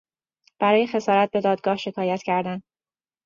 برای خسارت به دادگاه شکایت کردن